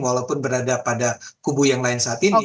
walaupun berada pada kubu yang lain saat ini